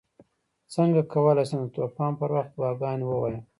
څنګه کولی شم د طواف پر وخت دعاګانې ووایم